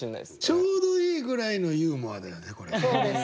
ちょうどいいぐらいのユーモアだよねこれ。